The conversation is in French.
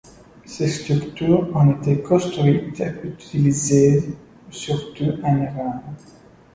Ces structures ont été construites et utilisées surtout en Iran.